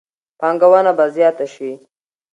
پانګونه به زیاته شي.